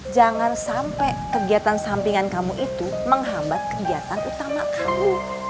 jangan sampai kegiatan sampingan kamu itu menghambat kegiatan utama kamu